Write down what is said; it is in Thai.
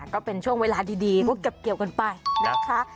ก็เป็นช่วงเวลาดีก็เก็บเกี่ยวกันไปนะคะ